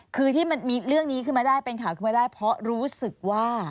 มีเรื่องนี้ขึ้นมาได้เพราะรู้สึกว่า